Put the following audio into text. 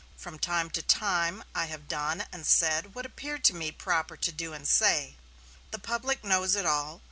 From time to time I have done and said what appeared to me proper to do and say. The public knows it all.